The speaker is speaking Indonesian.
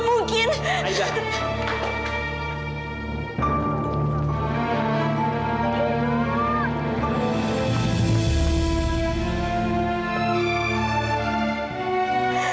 tidak tidak tidak